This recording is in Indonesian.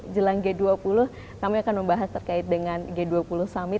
jelang g dua puluh kami akan membahas terkait dengan g dua puluh summit